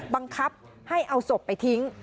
บังคับให้เอาศพไปทิ้ง